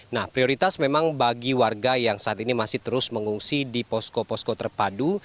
nah prioritas memang bagi warga yang saat ini masih terus mengungsi di posko posko terpadu